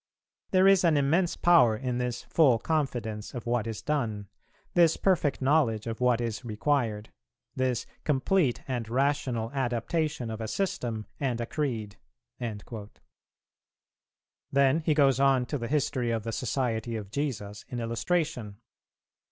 There is an immense power in this full confidence of what is done; this perfect knowledge of what is required; this complete and rational adaptation of a system and a creed." Then he goes on to the history of the Society of Jesus in illustration.